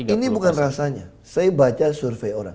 ini bukan rasanya saya baca survei orang